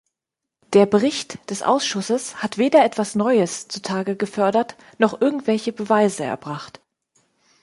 Der Bericht des Ausschusses hat weder etwas Neues zutage gefördert noch irgendwelche Beweise erbracht.